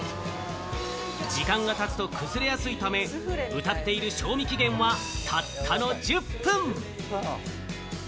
時間が経つと崩れやすいため、うたっている賞味期限はたったの１０分。